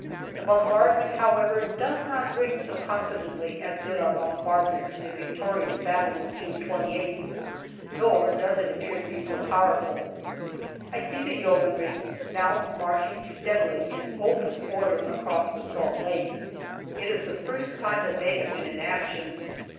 The bombardment, however, does not ring so confidently as did our bombardment in the victorious battle of June 28th, nor does it appear to be so powerful. I see the Yeomanry now marching steadily in open order across the Salt Lake. It is the first time that they have been in action.